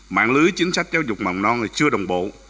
mạng lưới chính sách giáo dục mầm non chưa đồng bộ